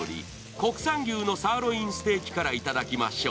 国産牛のサーロインステーキからいただきましょう。